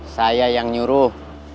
saya yang nyuruh